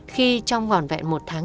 khi trong ngọn vẹn một tháng